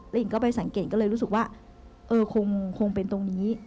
แล้วอิ่งก็ไปสังเกตก็เลยรู้สึกว่าคงเป็นตรงนี้